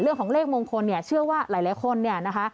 เรื่องของเลขมงคลเชื่อว่าหลายคนนะคะ